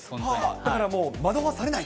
だからもう、惑わされないと？